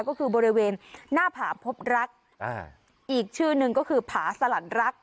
ก็คือบริเวณหน้าผาพบรักอ่าอีกชื่อหนึ่งก็คือผาสลันรัก